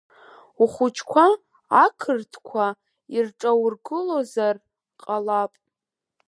Ухәыҷқәа ақырҭқәа ирҿаургылозар ҟалап.